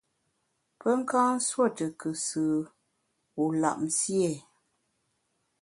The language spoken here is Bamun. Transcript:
Pe nka nsuo tù kùsù wu lap nsié ?